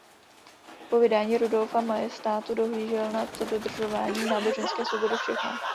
Po vydání Rudolfova Majestátu dohlížel nad dodržováním náboženské svobody v Čechách.